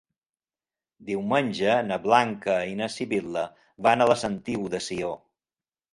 Diumenge na Blanca i na Sibil·la van a la Sentiu de Sió.